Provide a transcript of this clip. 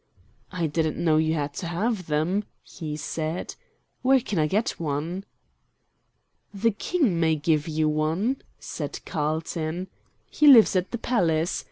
"I didn't know you had to have them," he said. "Where can I get one?" "The King may give you one," said Carlton. "He lives at the palace.